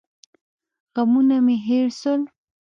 غمونه مې هېر سول.